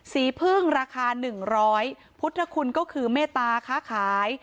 สีพึ่งราคาหนึ่งร้อยพุทธคุณก็คือเมตตาค้าขาย